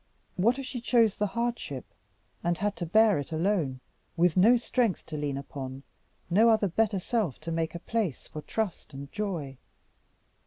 What if she chose the hardship, and had to bear it alone, with no strength to lean upon no other better self to make a place for trust and joy?